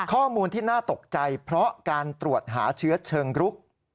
ข้อมูลที่น่าตกใจเพราะการตรวจหาเชื้อเชิงรุก